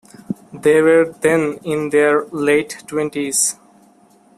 They were then in their late twenties.